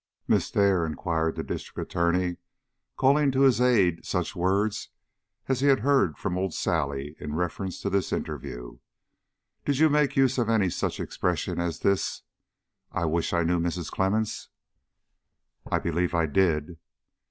"Miss Dare," inquired the District Attorney, calling to his aid such words as he had heard from old Sally in reference to this interview, "did you make use of any such expression as this: 'I wish I knew Mrs. Clemmens'?" "I believe I did."